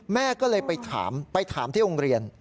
แม่ก็เลยไปถามไปถามที่โรงเรียน